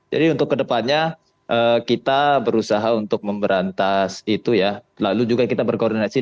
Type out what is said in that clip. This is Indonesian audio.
jadi untuk ke depannya kita berusaha untuk memberantas itu ya lalu juga kita berkoordinasi